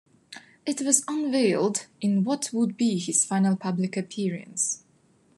It was unveiled in what would be his final public appearance.